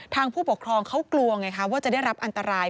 ผู้ปกครองเขากลัวไงคะว่าจะได้รับอันตราย